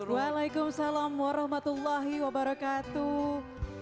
waalaikumsalam warahmatullahi wabarakatuh